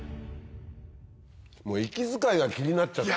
もう息遣いが気になっちゃって。